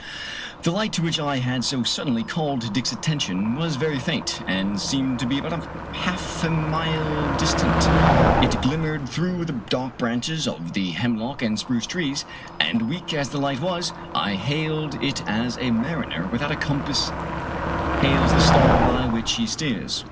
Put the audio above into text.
The light to which I had so suddenly called Dick's atten tion was very faint, and seemed to be about half a mile dis tant. It glimmered through the dark branches of the hem lock and spruce trees, and weak as the light was, I hailed it as a mariner without a compass hails the star by which he steers.